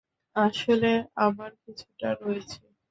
আসলে, আমার কিছুটা রয়েছে।